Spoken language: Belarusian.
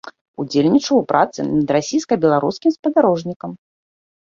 Удзельнічаў у працы над расійска-беларускім спадарожнікам.